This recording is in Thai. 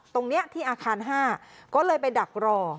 ตรงนี้ที่อาคาร๕ก็เลยไปดักรอ